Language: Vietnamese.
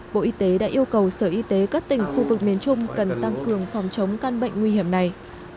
bộ y tế đã yêu cầu sở y tế các tỉnh khu vực miền trung cần tăng cường phòng chống căn bệnh nguy hiểm này